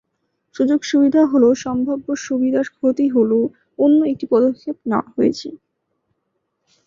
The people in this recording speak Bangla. সুযোগ সুবিধা হ'ল সম্ভাব্য সুবিধার ক্ষতি হ'ল অন্য একটি পদক্ষেপ নেওয়া হয়েছে।